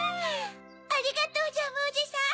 ありがとうジャムおじさん！